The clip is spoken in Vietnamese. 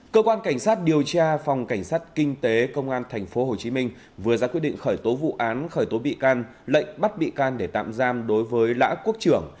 cơ quan cảnh sát điều tra phòng cảnh sát kinh tế công an tp hcm vừa ra quyết định khởi tố vụ án khởi tố bị can lệnh bắt bị can để tạm giam đối với lã quốc trưởng